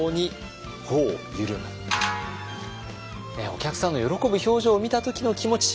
お客さんの喜ぶ表情を見た時の気持ち。